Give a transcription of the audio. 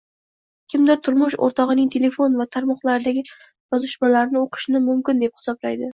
Kimdir turmush oʻrtogʻining telefon va tarmoqlardagi yozishmalarini oʻqishni mumkin deb hisoblaydi.